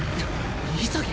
潔！？